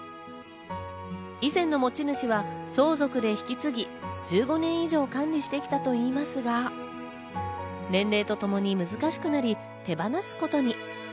以前の持ち主は相続で引き継ぎ、１５年以上管理してきたといいますが、年齢とともに難しくなり手放すことに。